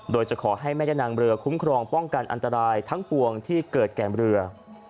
โดยจะขอให้แม่นางเรือคุ้มครองป้องกันอันตรายทั้งปวงที่เกิดแก่เรือ